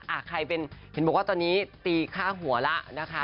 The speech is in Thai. ใครเป็นเห็นบอกว่าตอนนี้ตีค่าหัวแล้วนะคะ